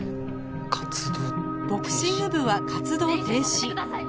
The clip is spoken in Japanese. ボクシング部は活動停止